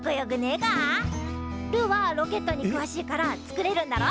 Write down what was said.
ルーはロケットにくわしいから作れるんだろ？